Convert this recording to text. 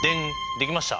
できました。